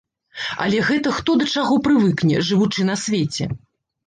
Але гэта хто да чаго прывыкне, жывучы на свеце.